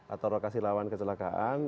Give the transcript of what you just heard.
atau lokasi lawan kecelakaan